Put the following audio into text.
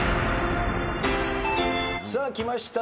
さあきました。